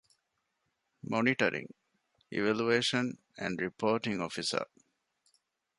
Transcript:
މޮނިޓަރިންގ، އިވެލުއޭޝަން އެންޑް ރިޕޯޓިންގ އޮފިސަރ